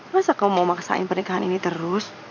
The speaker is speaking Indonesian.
masa kau mau maksain pernikahan ini terus